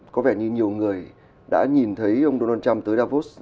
có vẻ như nhiều người đã nhìn thấy ông donald trump tới davos